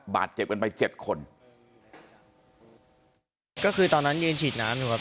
บาดเจ็บกันไปเจ็ดคนก็คือตอนนั้นยืนฉีดน้ำอยู่ครับ